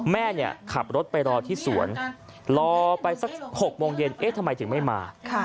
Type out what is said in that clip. แม่ขับรถไปรอที่สวนรอไปสัก๖โมงเย็นเอ๊ะทำไมถึงไม่มา